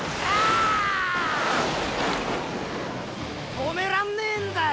止めらんねえんだよ